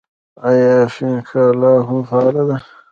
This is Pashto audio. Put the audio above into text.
آیا فینکا لا هم فعاله ده؟